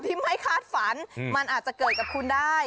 ไม่คาดฝันมันอาจจะเกิดกับคุณได้